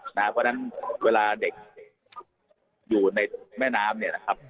เพราะฉะนั้นเวลาเด็กอยู่ในแม่น้ำเนี่ยนะครับ